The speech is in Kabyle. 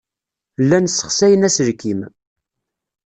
Llan ssexsayen aselkim.